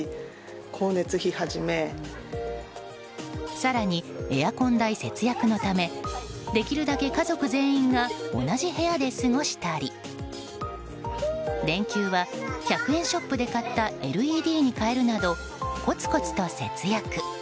更に、エアコン代節約のためできるだけ家族全員が同じ部屋で過ごしたり電球は１００円ショップで買ったＬＥＤに変えるなどコツコツと節約。